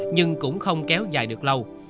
nhưng cũng không kéo dài được lâu